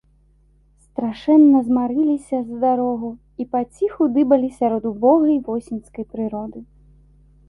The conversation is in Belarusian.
Страшэнна змарыліся за дарогу і паціху дыбалі сярод убогай восеньскай прыроды.